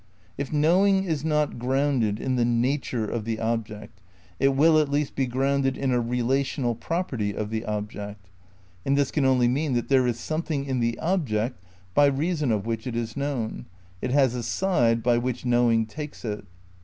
If knowing is not grounded in the "nature" of the object, it will at least be grounded ta a "relational property" of the object. And this can only mean that there is something in the object by reason of which it is known ; it has a side by which knowing takes it.